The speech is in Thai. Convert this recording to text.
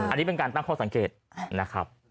อันนี้เป็นการตั้งข้อสังเกตนะครับ